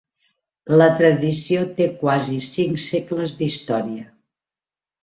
La tradició té quasi cinc segles d'història.